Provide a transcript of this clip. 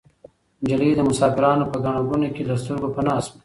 نجلۍ د مسافرانو په ګڼه ګوڼه کې له سترګو پناه شوه.